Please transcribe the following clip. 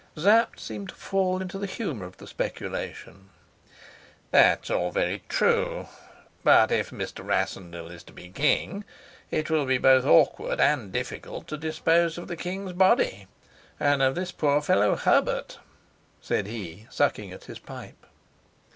Sapt seemed to fall into the humor of the speculation. "That's all very true. But if Mr. Rassendyll is to be king, it will be both awkward and difficult to dispose of the king's body and of this poor fellow Herbert," said he, sucking at his pipe.